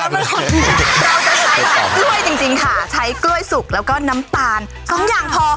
เราจะใช้กล้วยจริงค่ะใช้กล้วยสุกแล้วก็น้ำตาลสองอย่างพอ